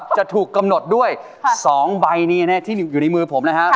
จะถูกกำหนดด้วย๒ใบนี้ที่อยู่ในมือผมนะฮะ